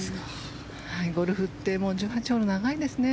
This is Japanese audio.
ゴルフって１８ホール、長いですね。